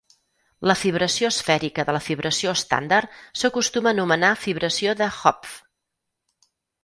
La fibració esfèrica de la fibració estàndar s'acostuma a anomenar fibració de Hopf.